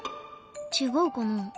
違うかな？